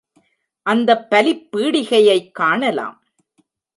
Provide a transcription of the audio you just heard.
அந்தப் பலிப் பீடிகையைக் காணலாம்.